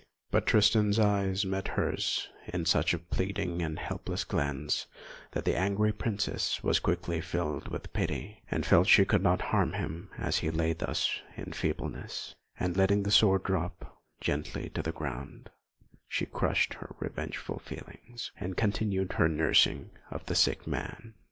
But Tristan's eyes met hers in such a pleading, helpless glance that the angry princess was quickly filled with pity, and felt she could not harm him as he lay thus in feebleness; and letting the sword drop gently to the ground, she crushed her revengeful feelings, and continued her nursing of the sick man.